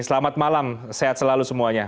selamat malam sehat selalu semuanya